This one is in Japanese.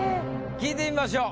聞いてみましょう。